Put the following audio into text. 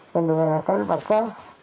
yang dimanfaatkan maka